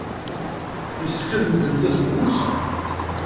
Yessefk ad medlen tazewwut?